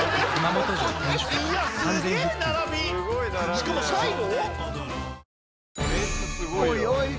しかも最後！？